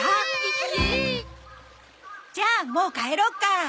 じゃあもう帰ろうか。